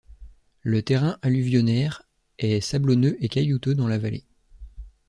Le terrain alluvionnaire est sablonneux et caillouteux dans la vallée.